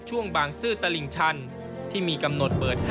ช่วงบางซื้อตลิ่งชัน